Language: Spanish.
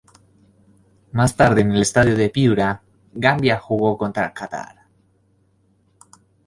Más tarde en el estadio de Piura', Gambia jugó contra Qatar.